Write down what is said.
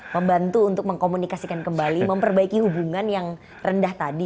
membantu untuk mengkomunikasikan kembali memperbaiki hubungan yang rendah tadi